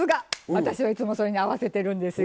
私はいつもそれに合わせてるんですよ。